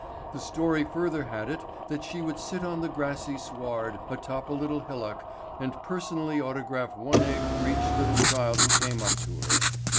The story further had it that she would sit on the grassy sward atop a little hillock and personally autograph one egg for each little child who came up to her.